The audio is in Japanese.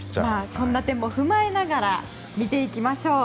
そんな点も踏まえながら見ていきましょう。